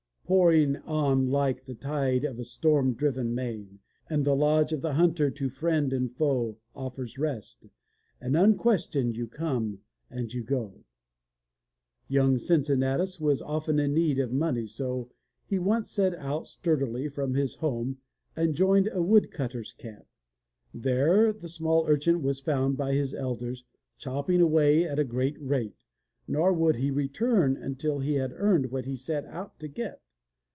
Pouring on like the tide of a storm driven main. And the lodge of the hunter to friend and to foe Offers rest; and unquestioned you come and you go" Young Cincinnatus was often in need of money so he once set out sturdily from home and joined a wood cutters' camp. There the small urchin was found by his elders chopping away at a great rate, nor would he return until he had earned what he set out to get.